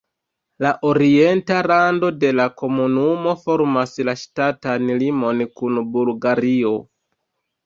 La orienta rando de la komunumo formas la ŝtatan limon kun Bulgario.